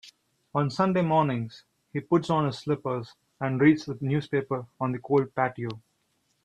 On Sunday mornings, he puts on his slippers and reads the newspaper on the cold patio.